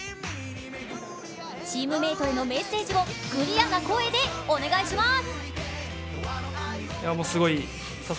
チームメイトへのメッセージをクリアな声でお願いします。